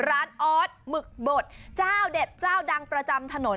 ร้านอ๊อนด์หมึกบดจ้าวเด็ดจ้าวดังประจำทน